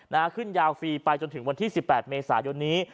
ขึ้นยาวฟรีไปจนถึงวันที่สิบแปดเมษายนนี้